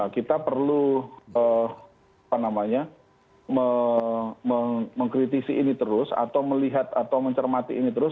kita perlu mengkritisi ini terus atau melihat atau mencermati ini terus